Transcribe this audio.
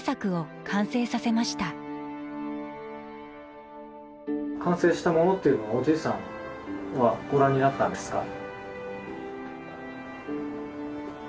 完成したものっていうのをおじいさんはご覧になったんですか？